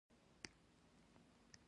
آیا اکسس بانک ګټور دی؟